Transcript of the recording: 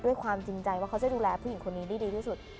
ความจริงใจว่าเขาจะดูแลผู้หญิงคนนี้ได้ดีที่สุด